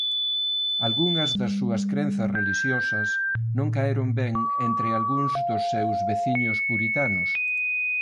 Algunhas das súas crenzas relixiosas non caeron ben entre algúns dos seus veciños puritanos.